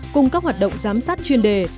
cùng các hoạt động giám sát chuyên đề